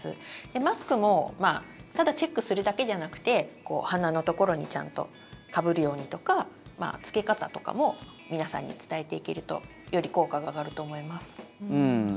マスクもただチェックするだけじゃなくて鼻のところにちゃんとかぶるようにとか着け方とかも皆さんに伝えていけるとより効果が上がると思います。